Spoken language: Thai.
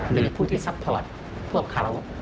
หรือผู้ที่ซัพพอร์ตพวกเขา